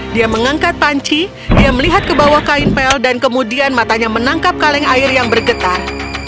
dia mengangkat panci dia melihat ke bawah kain pel dan kemudian matanya menangkap kaleng air yang bergetar